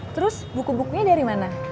terus buku bukunya dari mana